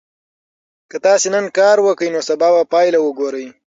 که تاسي نن کار وکړئ نو سبا به پایله وګورئ.